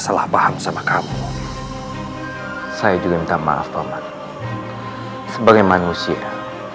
salah paham sama kamu saya juga minta maaf banget sebagai manusia